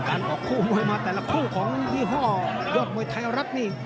ออกคู่มวยมาแต่ละคู่ของยี่ห้อยอดมวยไทยรัฐนี่